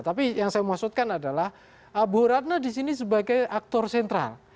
tapi yang saya maksudkan adalah bu ratna disini sebagai aktor sentral